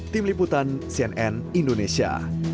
tim liputan cnn indonesia